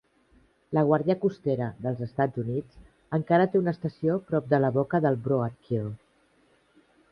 La guàrdia costera dels Estats Units encara té una estació prop de la boca del Broadkill.